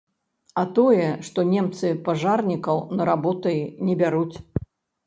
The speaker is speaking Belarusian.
А тое, што немцы пажарнікаў на работы не бяруць.